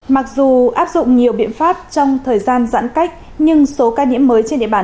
mặc dù áp dụng nhiều biện pháp trong thời gian giãn cách nhưng số ca nhiễm mới trên địa bàn